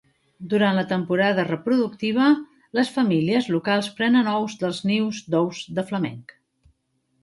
Durant la temporada reproductiva, les famílies locals prenen ous dels nius d'ous de flamenc.